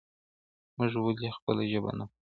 موږ ولې خپله ژبه نه پالو.